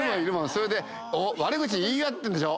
それで悪口言い合ってんでしょ。